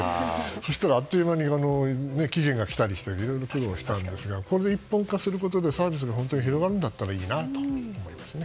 そうしたら、あっという間に期限が来たりしていろいろ苦労したんですがこれで一本化することでサービスが広がるならいいなと思いますね。